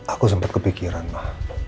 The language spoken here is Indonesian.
aku sempat kepikiran ma